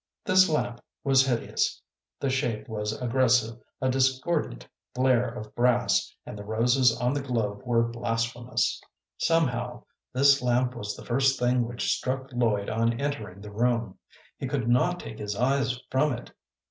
This lamp was hideous, the shape was aggressive, a discordant blare of brass, and the roses on the globe were blasphemous. Somehow this lamp was the first thing which struck Lloyd on entering the room. He could not take his eyes from it.